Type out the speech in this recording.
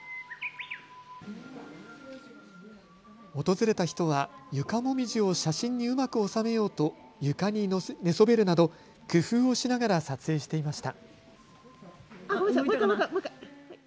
訪れた人は床もみじを写真にうまく収めようと床に寝そべるなど工夫をしながら撮影していました。